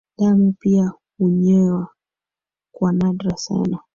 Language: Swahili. Damu pia hunywewa kwa nadra sana